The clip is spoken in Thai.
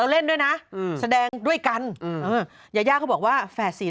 เราเล่นด้วยน่ะอืมแสดงด้วยกันอืมยายาเขาบอกว่าแฝดสี่